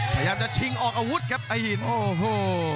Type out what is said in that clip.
พยายามจะชิงออกอาวุธครับไอ้หินโอ้โห